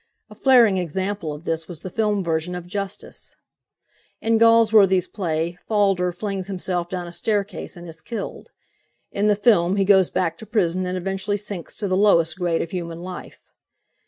A flaring example of this was the film version of "Justice." In Galsworthy's play Falder flings himself down a staircase and is killed: in the film he goes back to prison and eventually sinks to the lowest grade of human life.